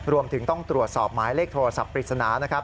รวมถึงต้องตรวจสอบหมายเลขโทรศัพท์ปริศนานะครับ